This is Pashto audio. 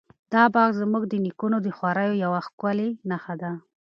دا باغ زموږ د نیکونو د خواریو یوه ښکلې نښه ده.